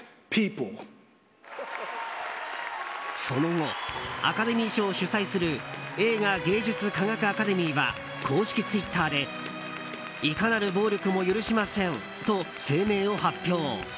その後アカデミー賞を主催する映画芸術科学アカデミーは公式ツイッターでいかなる暴力も許しませんと声明を発表。